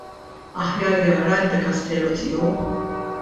Aħjar jara d-dekasteru tiegħu.